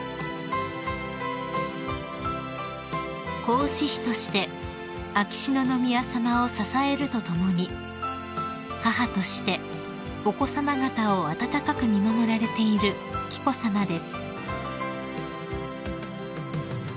［皇嗣妃として秋篠宮さまを支えるとともに母としてお子さま方を温かく見守られている紀子さまです］